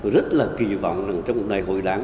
rất là kỳ vọng trong một đại hội đáng